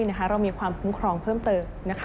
เรามีความคุ้มครองเพิ่มเติม